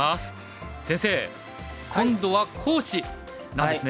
先生今度は講師なんですね。